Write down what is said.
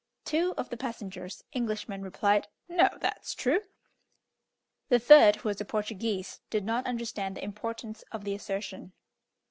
Two of the passengers, Englishmen, replied, "No, that's true!" The third, who was a Portuguese, did not understand the importance of the assertion.